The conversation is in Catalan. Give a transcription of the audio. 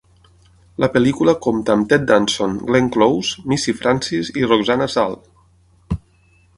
La pel·lícula compta amb Ted Danson, Glenn Close, Missy Francis i Roxana Zal.